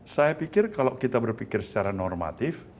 saya pikir kalau kita berpikir secara normatif